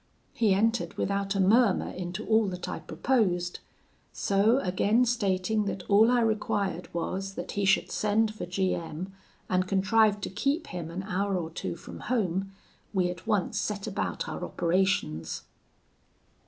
He entered without a murmur into all that I proposed; so again stating that all I required was, that he should send for G M , and contrive to keep him an hour or two from home, we at once set about our operations.